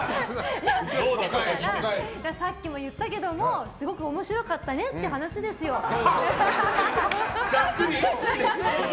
さっきも言ったけどもすごい面白かったねっていうざっくり。